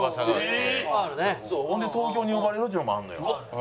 ほんで東京に呼ばれるっちゅうのもあるのよ。